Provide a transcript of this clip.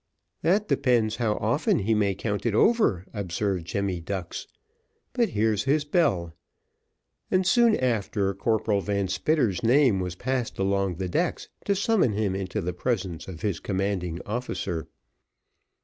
"That depends how often he may count it over," observed Jemmy Ducks "but there's his bell;" and soon after Corporal Van Spitter's name was passed along the decks, to summon him into the presence of his commanding officer.